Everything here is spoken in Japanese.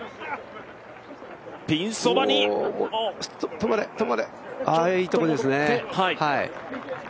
止まれ、止まれいいところですね。